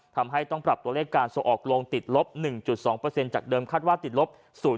ทำให้ต้องปรับตัวเลขการส่งออกลงติดลบ๑๒จากเดิมคาดว่าติดลบ๐